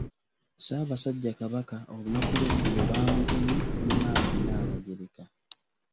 Ssaabasajja Kabaka olunaku lw'eggulo baamugemye ne maama Nnaabagereka.